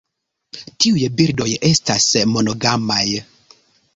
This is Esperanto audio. Tiuj birdoj estas monogamaj.